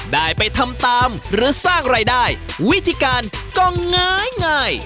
ได้ไปทำตามหรือสร้างรายได้วิธีการก็ง่าย